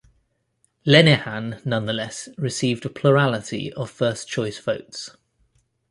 Lenihan nonetheless received a plurality of first-choice votes.